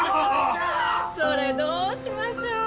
それどうしましょう？